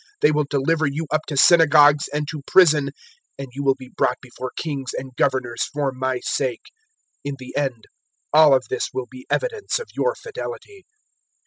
They will deliver you up to synagogues and to prison, and you will be brought before kings and governors for my sake. 021:013 In the end all this will be evidence of your fidelity.